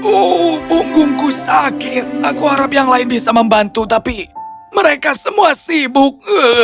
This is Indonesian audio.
oh punggungku sakit aku harap yang lain bisa membantu tapi mereka semua sibuk